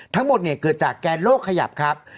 ทั้งหมดเนี่ยเกิดจากแกนโลกขยับครับ